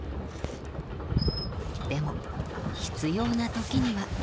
でも必要なときには。